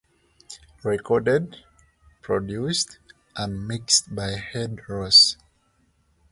Recorded, Produced, and Mixed by Ed Rose.